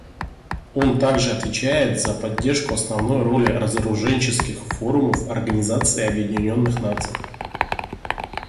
Он также отвечает за поддержку основной роли разоруженческих форумов Организации Объединенных Наций.